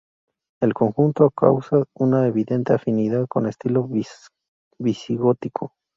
El conjunto acusa una evidente afinidad con el estilo visigótico.